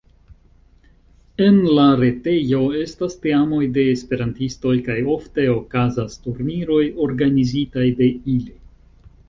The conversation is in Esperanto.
En la retejo estas teamoj de esperantistoj kaj ofte okazas turniroj organizitaj de ili.